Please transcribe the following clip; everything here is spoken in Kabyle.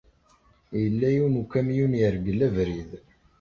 Yella yiwen n ukamyun yergel abrid.